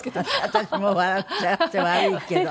私も笑っちゃって悪いけど。